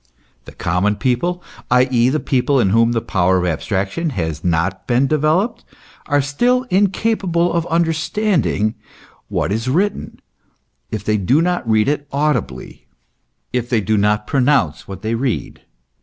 The common people, i.e., people in whom the power of abstraction has not been developed, are still incapable of understanding what is written if they do not read it audibly, if they do not pronounce what they read.